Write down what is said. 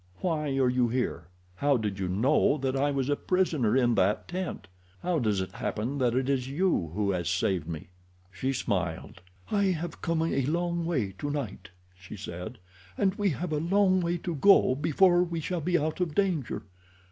"Why are you here? How did you know that I was a prisoner in that tent? How does it happen that it is you who have saved me?" She smiled. "I have come a long way tonight," she said, "and we have a long way to go before we shall be out of danger.